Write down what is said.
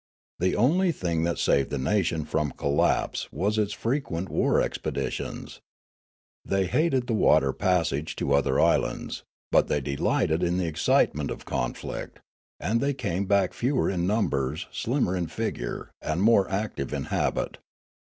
The only thing that saved the nation from collapse was its frequent war expeditions. They hated the water passage to other islands, but they delighted in the excitement of conflict, and they came back fewer in numbers, slim mer in figure, and more active in habit.